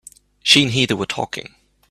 She and Heather were talking.